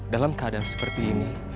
dalam keadaan seperti ini